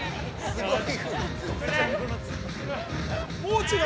◆すごい！